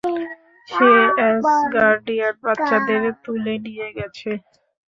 সে Asgardian বাচ্চাদের তুলে নিয়ে গেছে।